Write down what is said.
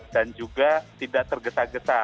dan juga tidak tergesa gesa